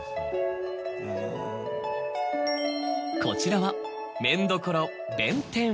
こちらは。